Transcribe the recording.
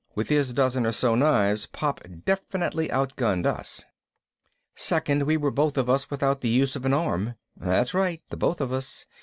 With his dozen or so knives Pop definitely outgunned us. Second, we were both of us without the use of an arm. That's right, the both of us.